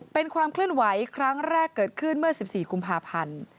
เป็นความเคลื่อนไหวครั้งแรกเกิดขึ้นเมื่อ๑๔กุมภาพันธ์